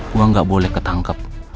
gue nggak boleh ketangkep